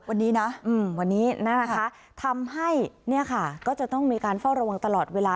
วันนี้นะคะทำให้ก็จะต้องมีการเฝ้าระวังตลอดเวลา